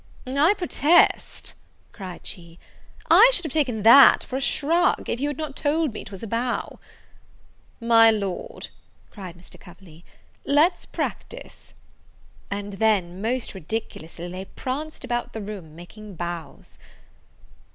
"I protest," cried she, "I should have taken that for a shrug, if you had not told me 'twas a bow." "My lord," cried Mr. Coverley, "let's practise;" and then, most ridiculously, they pranced about the room, making bows.